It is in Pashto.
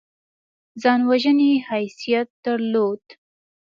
ځان وژنې حیثیت درلود.